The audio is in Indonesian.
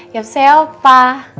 yaudah deh opa